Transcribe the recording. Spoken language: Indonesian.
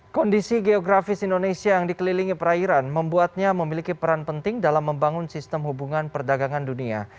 kondisi geografis indonesia yang dikelilingi perairan membuatnya memiliki peran penting dalam membangun sistem hubungan perdagangan dunia